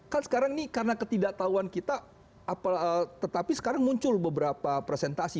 kan sekarang ini karena ketidaktahuan kita tetapi sekarang muncul beberapa presentasi